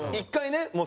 １回ね